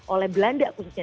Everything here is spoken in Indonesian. oleh belanda khususnya